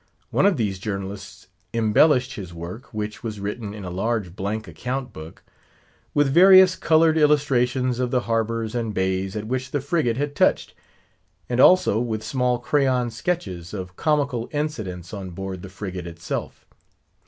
One of these journalists embellished his work—which was written in a large blank account book—with various coloured illustrations of the harbours and bays at which the frigate had touched; and also, with small crayon sketches of comical incidents on board the frigate itself.